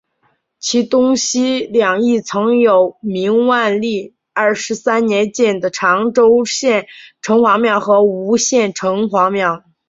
其东西两翼曾有明万历二十三年建的长洲县城隍庙和吴县城隍庙。